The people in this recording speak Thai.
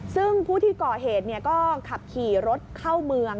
ซึ่งผู้ที่ก่อเหตุก็ขับขี่รถเข้าเมือง